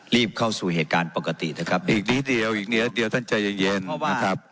รีบเข้าสู่เหตุการณ์ปกตินะครับ